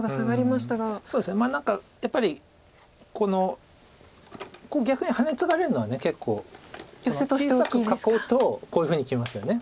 まあ何かやっぱりここ逆にハネツガれるのは結構小さく囲うとこういうふうにきますよね。